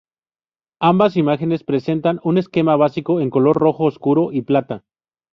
Ambas imágenes presentan un esquema básico, en color rojo oscuro y plata.